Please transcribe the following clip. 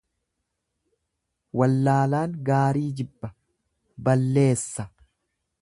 Wallaalaan gaarii jibba, balleessa.